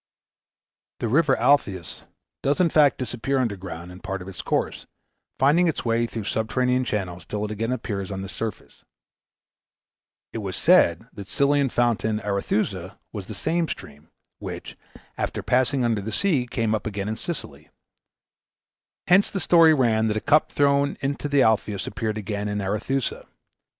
The River Alpheus does in fact disappear underground, in part of its course, finding its way through subterranean channels till it again appears on the surface. It was said that the Sicilian fountain Arethusa was the same stream, which, after passing under the sea, came up again in Sicily. Hence the story ran that a cup thrown into the Alpheus appeared again in Arethusa.